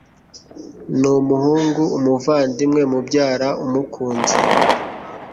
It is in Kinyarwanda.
ni umuhungu, umuvandimwe, mubyara, umukunzi